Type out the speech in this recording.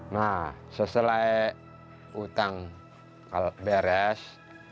nah setelah hutang beres